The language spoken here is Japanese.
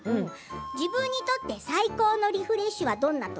自分にとって最高のリフレッシュはどんな時？